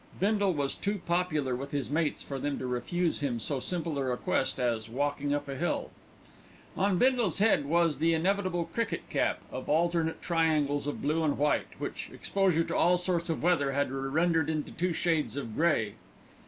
Bindle was too popular with his mates for them to refuse him so simple a request as walking up a hill. On Bindle's head was the inevitable cricket cap of alternate triangles of blue and white, which exposure to all sorts of weather had rendered into two shades of grey.